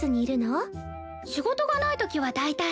仕事がない時は大体。